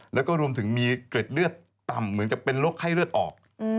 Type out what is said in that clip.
แล้วก็รวมถึงมีเกร็ดเลือดต่ำเหมือนกับเป็นโรคไข้เลือดออก